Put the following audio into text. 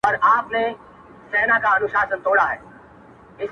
بيا دې په سجده کي په ژړا وينم!